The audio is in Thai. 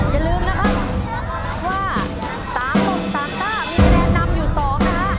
อย่าลืมนะครับว่า๓๓๙มีคะแนนนำอยู่๒นะคะ